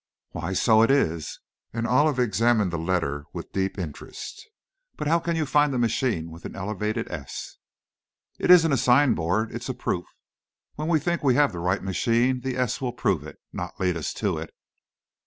"Why, so it is," and Olive examined the letter with deep interest; "but how can you find a machine with an elevated s?" "It isn't a sign board, it's a proof. When we think we have the right machine, the s will prove it, not lead us to it."